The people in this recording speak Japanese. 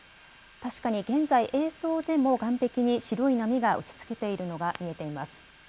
確かに現在、映像でも岸壁に白い波が打ちつけているのが見えています。